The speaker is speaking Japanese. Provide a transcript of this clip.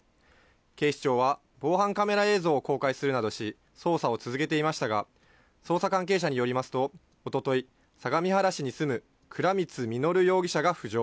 警視庁は、防犯カメラ映像を公開するなどし、捜査を続けていましたが、捜査関係者によりますと、おととい、相模原市に住む倉光実容疑者が浮上。